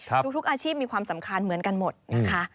ทุกอาชีพมีความสำคัญเหมือนกันหมดนะคะ